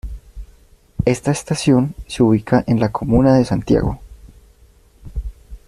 Está estación se ubica en la comuna de Santiago.